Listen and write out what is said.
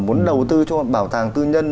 muốn đầu tư cho một bảo tàng tư nhân